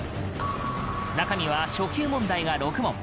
中には初級問題が６問。